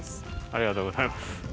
ありがとうございます。